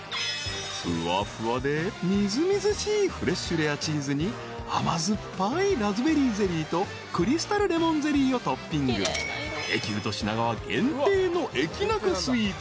［ふわふわでみずみずしいフレッシュレアチーズに甘酸っぱいラズベリーゼリーとクリスタルレモンゼリーをトッピング］［エキュート品川限定の駅ナカスイーツ。